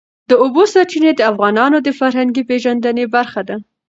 د اوبو سرچینې د افغانانو د فرهنګي پیژندنې برخه ده.